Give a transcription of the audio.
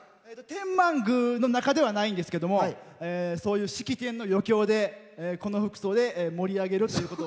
天満宮の中ではないんですけど、そういう式典の余興で、この服装で盛り上げるということ。